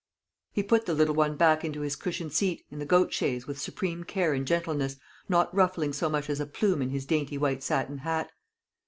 He put the little one back into his cushioned seat in the goat chaise with supreme care and gentleness, not ruffling so much as a plume in his dainty white satin hat.